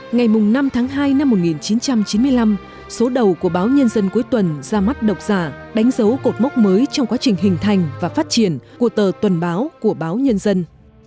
ngày năm tháng hai năm một nghìn chín trăm chín mươi năm số đầu của báo nhân dân cuối tuần ra mắt độc giả đánh dấu cột mốc mới trong quá trình hình thành và phát triển của tờ tuần báo của báo nhân dân